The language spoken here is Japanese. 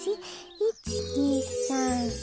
１２３４。